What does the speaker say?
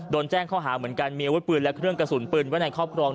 โดนแจ้งข้อหาเหมือนกันมีอาวุธปืนและเครื่องกระสุนปืนไว้ในครอบครอง